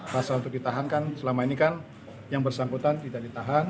pasal untuk ditahankan selama ini kan yang bersangkutan tidak ditahan